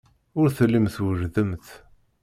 Ur tellimt twejdemt.